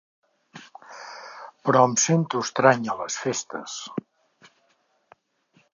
Però em sento estrany a les festes.